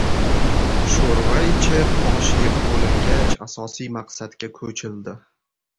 Sho‘rva ichib, osh yeb bo‘lingach, asosiy maqsadga ko‘childi.